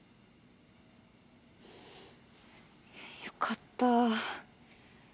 よかった。